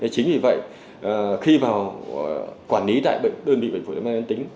chính vì vậy khi vào quản lý đơn vị bệnh phổi tắc nghẽn mạng tính